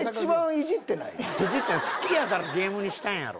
いじってない好きやからゲームにしたんやろ。